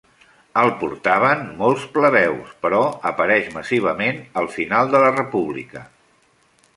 El portaven molts plebeus, però apareix massivament al final de la república.